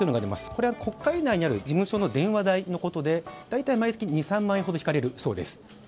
国会内にある事務所の電話代のことで大体月２３万円ほど引かれるそうです。